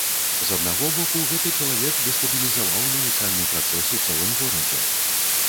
З аднаго боку, гэты чалавек дэстабілізаваў навучальны працэс у цэлым горадзе.